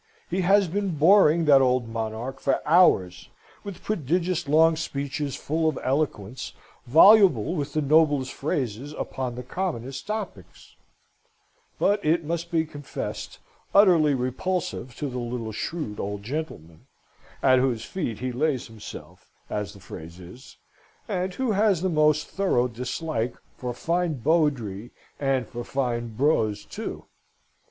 He has been boring that old monarch for hours with prodigious long speeches, full of eloquence, voluble with the noblest phrases upon the commonest topics; but, it must be confessed, utterly repulsive to the little shrewd old gentleman, "at whose feet he lays himself," as the phrase is, and who has the most thorough dislike for fine boedry and for fine brose too!